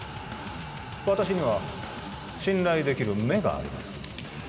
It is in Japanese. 私には信頼できる目があります。